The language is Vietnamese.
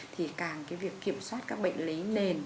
thì càng cái việc kiểm soát các bệnh lý nền